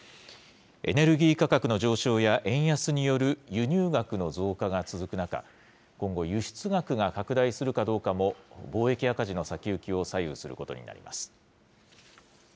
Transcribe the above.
エネルギー価格の上昇や円安による輸入額の増加が続く中、今後、輸出額が拡大するかどうかも、貿易赤字の先行きを左右することになります。